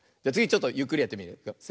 じゃつぎちょっとゆっくりやってみるよ。